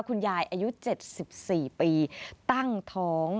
คุณยายอายุ๗๔ปีตั้งท้อง